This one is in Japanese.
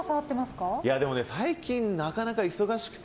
最近なかなか忙しくて。